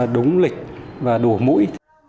đúng lịch và đủ mũi